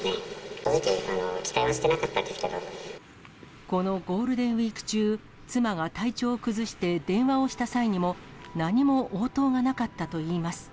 正直、このゴールデンウィーク中、妻が体調を崩して電話をした際にも、何も応答がなかったといいます。